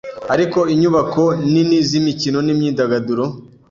ariko inyubako nini z'imikino n'imyidagaduro,